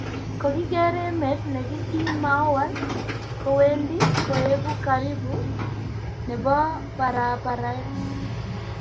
Kokiker emet nekiki mal kowendi koeku karibu nebo paraparet